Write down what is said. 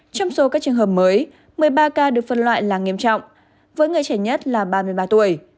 trong số các trường hợp mới một mươi ba ca được phân loại là nghiêm trọng với người trẻ nhất là ba mươi ba tuổi